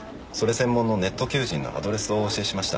専門のネット求人のアドレスをお教えしました。